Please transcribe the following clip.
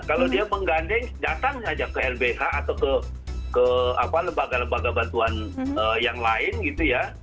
kalau dia menggandeng datangnya aja ke lbh atau ke lembaga lembaga bantuan yang lain gitu ya